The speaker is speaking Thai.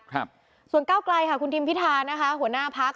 ครับส่วนก้าวไกลค่ะคุณทิมพิธานะคะหัวหน้าพัก